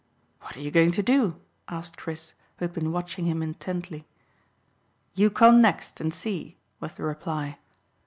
"What are you going to do?" asked Chris, who had been watching him intently. "You come next, and see," was the reply.